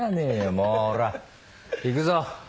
もうほら行くぞ。